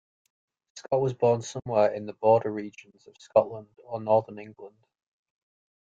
Scot was born somewhere in the border regions of Scotland or northern England.